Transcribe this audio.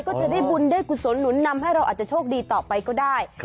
ก็จะได้บุญได้กุศลหนุนนำให้เราอาจจะโชคดีต่อไปก็ได้